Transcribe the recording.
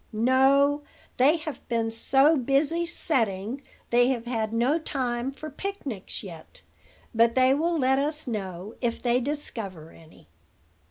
"No: they have been so busy setting, they have had no time for picnics yet. But they will let us know, if they discover any."